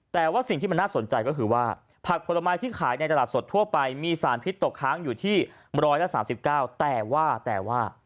แต่ว่าสิ่งที่มันน่าสนใจก็คือว่าผักผลไม้ที่ขายในตลาดสดทั่วไปมีสารพิษตกค้างอยู่ที่๑๓๙แต่ว่าแต่ว่า